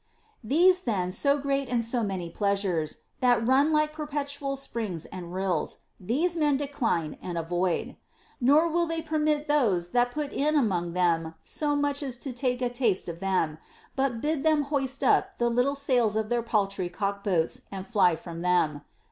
12. These then so great and so many pleasures, that run like perpetual springs and rills, these men decline and avoid ; nor will they permit those that put in among them so much as to take a taste of them, but bid them hoist up the little sails of their paltry cock boats and fly from them.